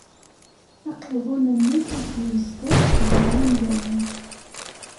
Aqiḍun-nni ideg izdeɣ gar yimdanen.